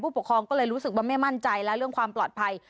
ปกครองก็เลยรู้สึกว่าไม่มั่นใจแล้วเรื่องความปลอดภัย